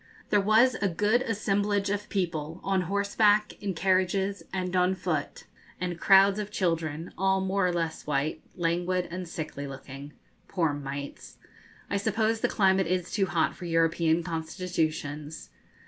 There was a good assemblage of people, on horseback, in carriages, and on foot, and crowds of children, all more or less white, languid, and sickly looking. Poor mites! I suppose the climate is too hot for European constitutions.